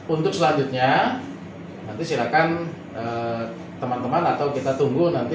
untuk selanjutnya nanti silakan teman teman atau kita tunggu nanti